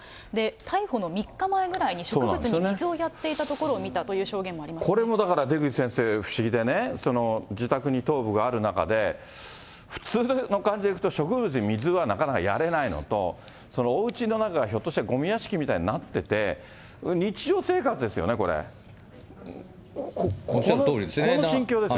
逮捕の３日前くらいに植物に水をやっていた所を見たという証言もこれもだから出口先生、不思議でね、自宅に頭部がある中で、普通の感じでいくと植物に水はなかなかやれないのと、おうちの中がひょっとしてごみ屋敷みたいになってて、日常生活でおっしゃるとおりですね。